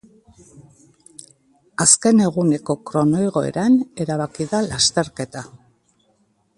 Azken eguneko kronoigoeran erabaki da lasterketa.